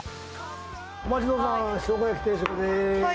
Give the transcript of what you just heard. お待ちどおさま、しょうが焼き定食です。